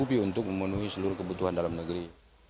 tapi masih bisa dianggap untuk memenuhi seluruh kebutuhan dalam negeri